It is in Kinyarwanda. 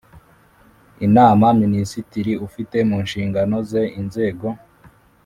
Inama minisitiri ufite mu nshingano ze inzego